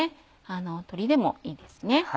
鶏でもいいですね。